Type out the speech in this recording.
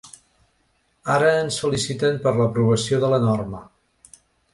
Ara es feliciten per l’aprovació de la norma.